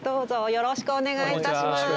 よろしくお願いします。